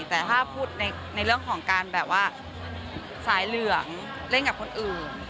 แต่ถ้าพูดในเรื่องของการแบบว่าสายเหลืองเล่นกับคนอื่น